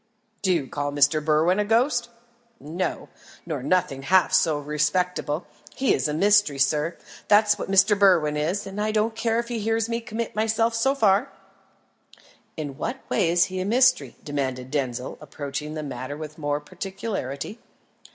"Do you call Mr. Berwin a ghost?" "No; nor nothing half so respectable. He is a mystery, sir, that's what Mr. Berwin is, and I don't care if he hears me commit myself so far." "In what way is he a mystery?" demanded Denzil, approaching the matter with more particularity.